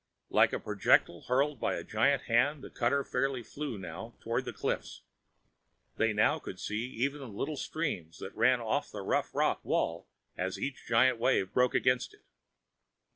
Like a projectile hurled by a giant hand, the cutter fairly flew now toward the cliffs. They now could see even the little streams that ran off the rough rock wall as each giant wave broke against it.